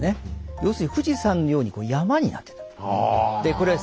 要するに富士山のように山になってた。